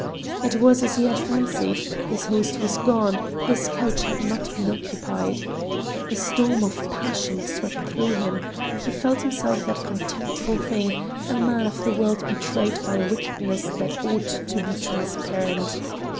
It was as he had fancied his host was gone, his couch had not been occupied. A storm of passion swept through him; he felt himself that contemptible thing, a man of the world betrayed by a wickedness that ought to be transparent.